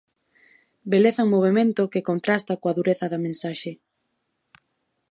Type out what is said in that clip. Beleza en movemento que contrasta coa dureza da mensaxe.